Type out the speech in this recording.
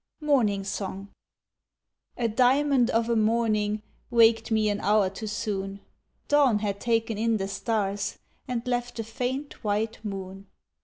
Morning Song A diamond of a morning Waked me an hour too soon; Dawn had taken in the stars And left the faint white moon.